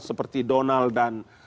seperti donald dan